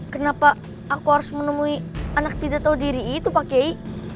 kenapa aku harus menemui anak tidak tahu diri itu pak kiai